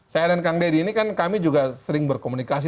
saya dan kang deddy ini kan kami juga sering berkomunikasi